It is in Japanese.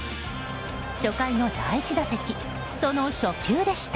初回の第１打席その初球でした